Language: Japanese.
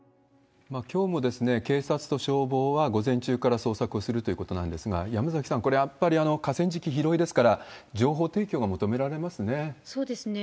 きょうも警察と消防は、午前中から捜索をするということなんですが、山崎さん、これはやっぱり河川敷広いですから、そうですね。